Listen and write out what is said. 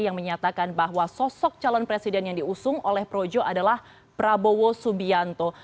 yang menyatakan bahwa sosok calon presiden yang diusung oleh projo adalah prabowo subianto